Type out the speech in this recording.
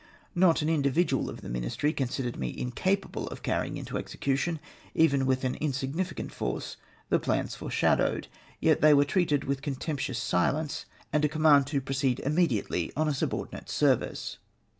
Not an individual of the JMinistry considered me incapable of carrying into execution, even with an insignificant force, the plans foreshadowed ; yet they w^ere treated with contemptuous silence, and a com mand to proceed immediately on a subordinate service.